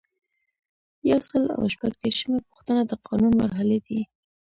یو سل او شپږ دیرشمه پوښتنه د قانون مرحلې دي.